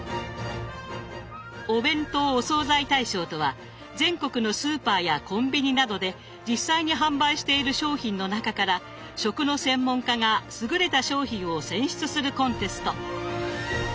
「お弁当・お惣菜大賞」とは全国のスーパーやコンビニなどで実際に販売している商品の中から食の専門家が優れた商品を選出するコンテスト。